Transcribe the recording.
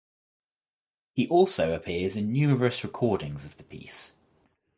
He also appears in numerous recordings of the piece.